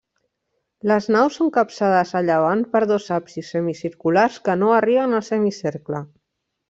Les naus són capçades a llevant per dos absis semicirculars que no arriben al semicercle.